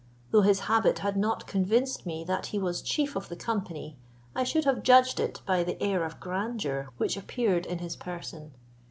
Though his habit had not convinced me that he was chief of the company, I should have judged it by the air of grandeur which appeared in his person.